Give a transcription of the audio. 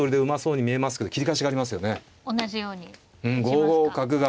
５五角が。